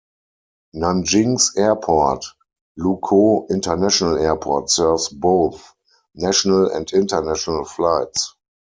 Nanjing's airport, Lukou International Airport, serves both national and international flights.